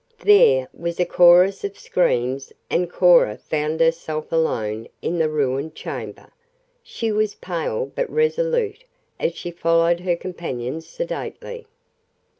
There was a chorus of screams and Cora found herself alone in the ruined chamber. She was pale but resolute as she followed her companions sedately.